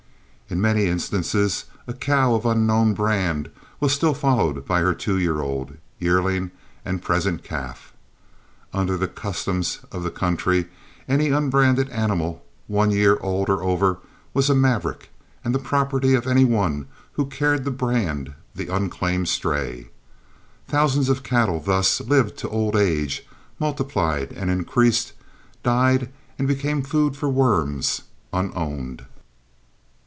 In many instances a cow of unknown brand was still followed by her two year old, yearling, and present calf. Under the customs of the country, any unbranded animal, one year old or over, was a maverick, and the property of any one who cared to brand the unclaimed stray. Thousands of cattle thus lived to old age, multiplied and increased, died and became food for worms, unowned.